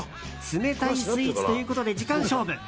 冷たいスイーツということで時間勝負。